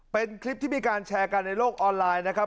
เป็นคลิปที่มีการแชร์กันในโลกออนไลน์นะครับ